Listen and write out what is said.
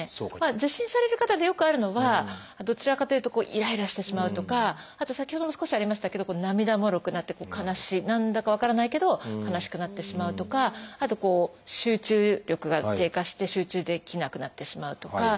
受診される方でよくあるのはどちらかというとイライラしてしまうとかあと先ほども少しありましたけど涙もろくなって悲しい何だか分からないけど悲しくなってしまうとかあと集中力が低下して集中できなくなってしまうとか。